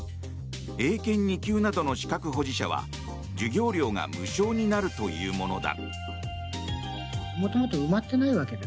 英検２級などの資格保持者は授業料が無償になるというものだ。